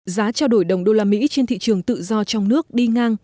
giá trao đổi đồng đô la mỹ trên thị trường tự do trong nước đi ngang